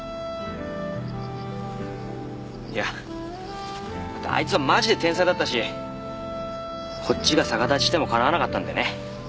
いやだってあいつはマジで天才だったしこっちが逆立ちしてもかなわなかったんでね。